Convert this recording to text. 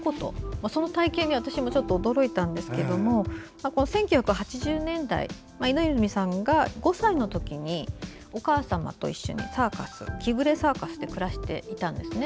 その体験に私もちょっと驚いたんですけれども１９８０年代稲泉さんが５歳の時にお母様と一緒にキグレサーカスで暮らしていたんですね。